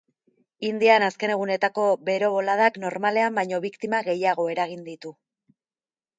Indian azken egunetako bero-boladak normalean baino biktima gehiago eragin ditu.